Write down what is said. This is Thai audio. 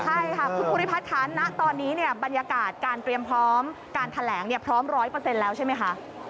ใช่คุณฺริภาสธรรณะตอนนี้บรรยากาศการเตรียมพร้อมการแถลงพร้อม๑๐๐เปอร์เซ็นต์แล้วใช่ไหม